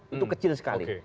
itu kecil sekali